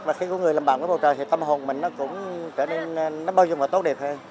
và khi có người làm bạn với bầu trời thì tâm hồn mình nó cũng trở nên nó bao dung và tốt đẹp hơn